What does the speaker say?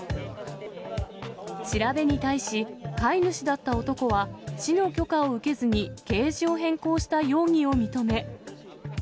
調べに対し、飼い主だった男は、市の許可を受けずに、ケージを変更した容疑を認め。